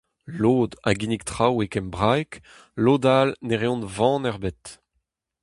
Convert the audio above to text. Lod a ginnig traoù e kembraeg, lod all ne reont van ebet.